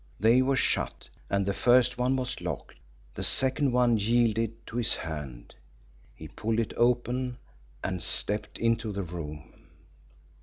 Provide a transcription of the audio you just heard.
They were shut, and the first one was locked. The second one yielded to his hand. He pulled it open, and stepped into the room.